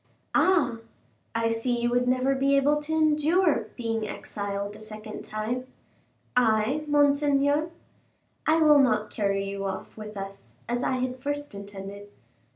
"Ah! I see you would never be able to endure being exiled a second time." "I, monseigneur?" "I will not carry you off with us, as I had first intended."